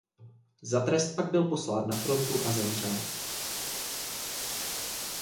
Za trest byl pak poslán na frontu a zemřel.